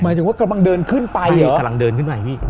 หมายถึงว่ากำลังเดินขึ้นไปกำลังเดินขึ้นไปพี่